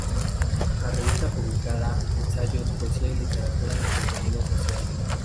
La revista publicaba ensayos, poesía y literatura de contenido social.